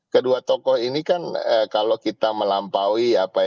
kedua tokoh ini kan kalau kita melampaui apa